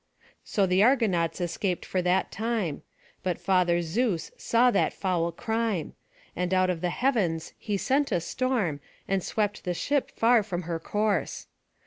So the Argonauts escaped for that time; but Father Zeus saw that foul crime; and out of the heavens he sent a storm, and swept the ship far from her course.